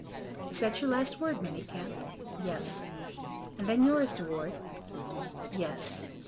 "Is that your last word, Manicamp?" "Yes." "And then yours, De Wardes?" "Yes."